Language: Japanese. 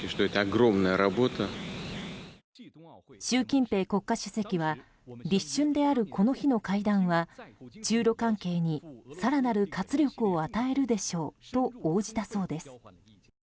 習近平国家主席は立春である、この日の会談は中露関係に更なる活力を与えるでしょうと応じたそうです。